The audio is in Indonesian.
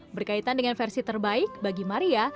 berkaitan dengan versi terbaik bagi maria